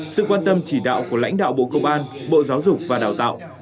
sự quan tâm chỉ đạo của lãnh đạo bộ công an bộ giáo dục và đào tạo